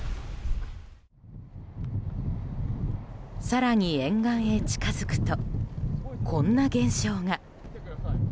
更に沿岸へ近づくとこんな現象が。